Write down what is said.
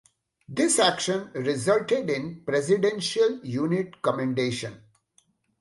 This action resulted in a Presidential Unit Commendation.